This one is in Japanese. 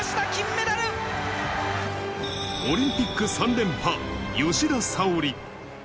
オリンピック３連覇、吉田沙保里。